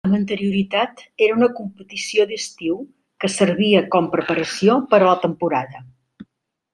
Amb anterioritat era una competició d'estiu que servia com preparació per a la temporada.